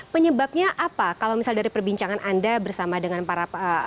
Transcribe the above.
penyebabnya apa kalau misal dari perbincangan anda bersama dengan para